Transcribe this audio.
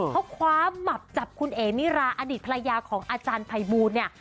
เขาคว้าหมับจับคุณเอ๋มิราอดีตภรรยาของอาจารย์ภัยบูลเนี่ย